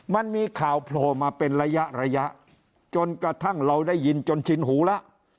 มันมีข่าวโผล่มาเป็นระยะระยะจนกระทั่งเราได้ยินจนชินหูแล้ว